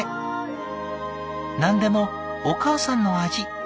何でも「お母さんの味」。